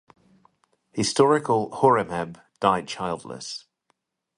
Historical Horemheb died childless.